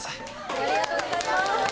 ありがとうございます。